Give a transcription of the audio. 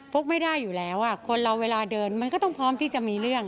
กไม่ได้อยู่แล้วคนเราเวลาเดินมันก็ต้องพร้อมที่จะมีเรื่อง